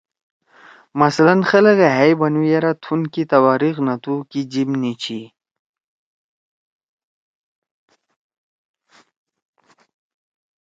مثلاً خلَگے ہأ ئے بنُو یرأ تُھون کی تباریخ نہ تُھو، کی جیِب نی چھی۔